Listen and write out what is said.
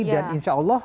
dan insya allah